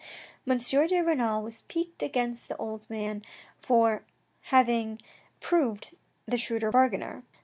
M. de Renal was piqued against the old man for having proved the shrewder bargainer.